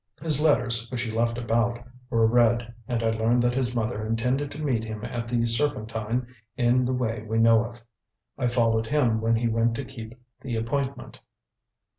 His letters, which he left about, were read, and I learned that his mother intended to meet him at the Serpentine in the way we know of. I followed him when he went to keep the appointment."